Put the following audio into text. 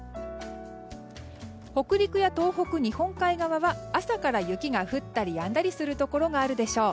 北陸や東北日本海側は朝から雪が降ったりやんだりするところがあるでしょう。